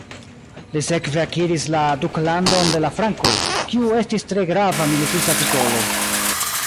Li sekve akiris la "Duklandon de la Frankoj", kiu estis tre grava militista titolo.